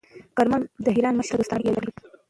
کارمل د ایران مشر ته دوستانه اړیکې یادې کړې.